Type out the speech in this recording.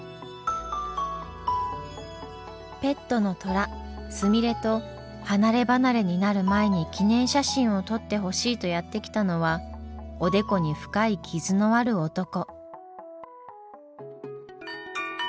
ペットのトラすみれと離れ離れになる前に記念写真を撮ってほしいとやって来たのはおでこに深い傷のある男。